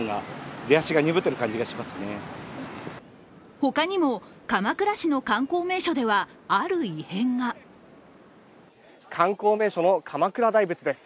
ほかにも、鎌倉市の観光名所ではある異変が観光名所の鎌倉大仏です。